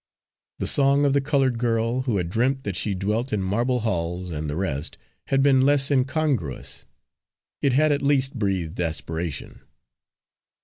The song of the coloured girl, who had dreamt that she dwelt in marble halls, and the rest, had been less incongruous; it had at least breathed aspiration.